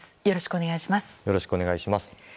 よろしくお願いします。